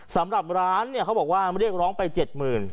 สำหรับร้านเนี่ยเขาบอกว่าเรียกร้องไป๗๐๐บาท